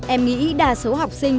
em nghĩ đa số học sinh